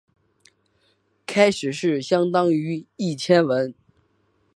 开始是相当于一千文。